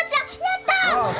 やった！